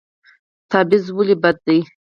تبعیض ولې بد دی؟